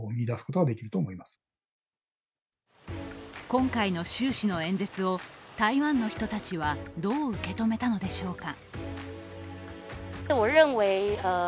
今回の習氏の演説を台湾の人たちは、どう受け止めたのでしょうか。